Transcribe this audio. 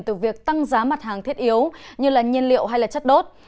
từ việc tăng giá mặt hàng thiết yếu như nhiên liệu hay chất đốt